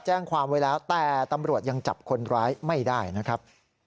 แจ้งความไว้แล้วแต่ตำรวจยังจับคนร้ายไม่ได้นะครับ